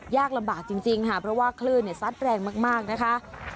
ยากลำบากจริงค่ะเพราะว่าคลื่นซัดแรงมากนะคะ